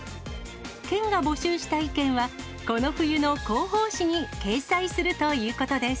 県が募集した意見は、この冬の広報紙に掲載するということです。